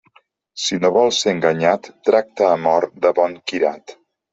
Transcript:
Si no vols ser enganyat, tracta amb or de bon quirat.